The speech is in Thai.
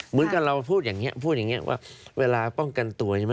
เหมือนกับเราพูดอย่างนี้พูดอย่างนี้ว่าเวลาป้องกันตัวใช่ไหม